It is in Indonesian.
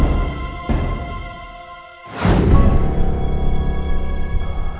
sampai ketemu di rumah